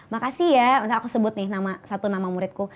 makasih ya nggak aku sebut nih satu nama muridku